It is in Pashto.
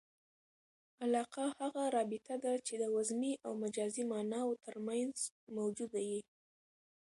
علاقه هغه رابطه ده، چي د وضمي او مجازي ماناوو ترمنځ موجوده يي.